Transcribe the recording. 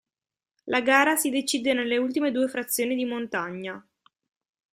La gara si decide nelle ultime due frazioni di montagna.